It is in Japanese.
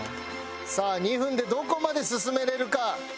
さあ２分でどこまで進められるか。